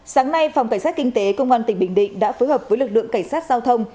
sáng nay phòng cảnh sát kinh tế công an tỉnh bình định đã phối hợp với lực lượng cảnh sát giao thông